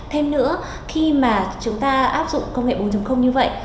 thêm nữa khi mà chúng ta áp dụng công nghệ bốn như vậy